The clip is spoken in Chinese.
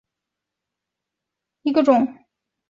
察隅紫堇为罂粟科紫堇属下的一个种。